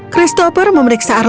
christopher memeriksa arlojinya